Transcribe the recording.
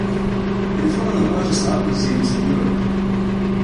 It is one of the largest art museums in Europe.